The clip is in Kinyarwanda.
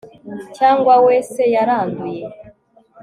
cyangwa we se yaranduye